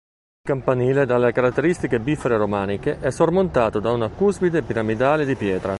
Il campanile dalle caratteristiche bifore romaniche è sormontato da una cuspide piramidale di pietra.